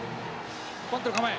バントの構え。